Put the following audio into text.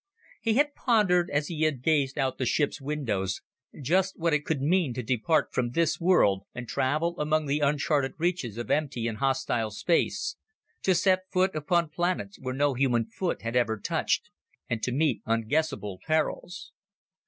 He had pondered, as he had gazed out of the ship's windows, just what it could mean to depart from this world and travel among the uncharted reaches of empty and hostile space ... to set foot upon planets where no human foot had ever touched and to meet unguessable perils.